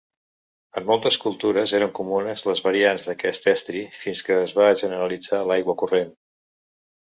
En moltes cultures eren comunes les variants d'aquest estri fins que es va generalitzar l'aigua corrent.